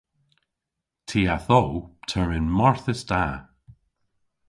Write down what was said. Ty a'th o termyn marthys da.